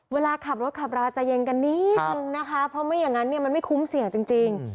เวลาขับรถขับราจะเย็นกันนิดนึงนะคะเพราะไม่อย่างนั้นเนี่ยมันไม่คุ้มเสี่ยงจริง